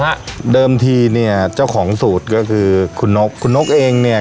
ฮะเดิมทีเนี่ยเจ้าของสูตรก็คือคุณนกคุณนกเองเนี่ย